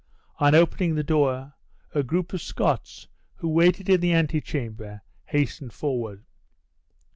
On opening the door, a group of Scots, who waited in the antechamber, hastened forward.